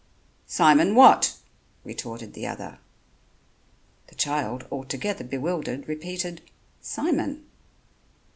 "Simon what?" retorted the other. The child, altogether bewildered, repeated: "Simon."